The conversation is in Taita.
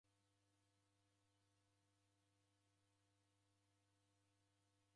Ozerwa ughore nicha mali riiw'ilo.